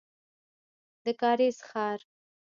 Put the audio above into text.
د کارېز ښار.